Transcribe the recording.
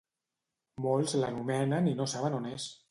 Molts l'anomenen i no saben on és.